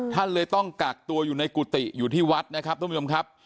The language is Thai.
ท่านเลยต้องกักตัวอยู่ในกุฏิอยู่ที่วัดนะครับทุกผู้ชมครับ